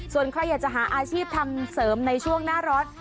ส่วนใครอยากจะหาอาชีพทำเสริมในช่วงหน้าร้อน